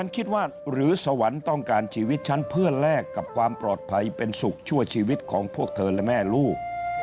คิดว่าหรือสวรรค์ต้องการชีวิตฉันเพื่อแลกกับความปลอดภัยเป็นสุขชั่วชีวิตของพวกเธอและแม่ลูก